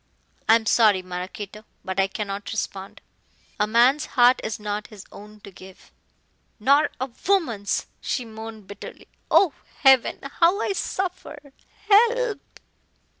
"I am sorry, Maraquito, but I cannot respond. A man's heart is not his own to give." "Nor a woman's," she moaned bitterly; "oh, heaven, how I suffer. Help!"